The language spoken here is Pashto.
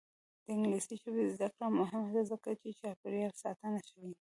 د انګلیسي ژبې زده کړه مهمه ده ځکه چې چاپیریال ساتنه ښيي.